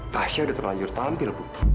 tasya sudah terlanjur tampil bu